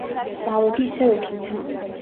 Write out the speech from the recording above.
წავედი ისევ ექიმთან.